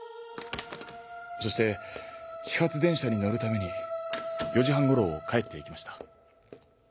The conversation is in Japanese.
そして始発電車に乗るために４時半頃帰って行きました。